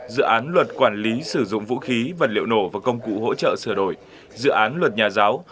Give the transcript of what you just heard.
dự án luật quản lý sử dụng vũ khí vật liệu nổ và công cụ hỗ trợ sửa đổi dự án luật nhà giáo